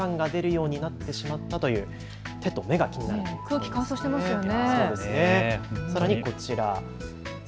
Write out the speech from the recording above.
空気、乾燥していますよね。